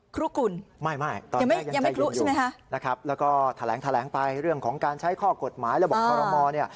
คลุกกลุ่นยังไม่คลุกใช่ไหมฮะนะครับแล้วก็แถลงไปเรื่องของการใช้ข้อกฎหมายระบบธรรมเนี่ย